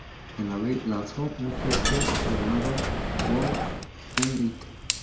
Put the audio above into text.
En abril, lanzó un freestyle llamado "Who Run It".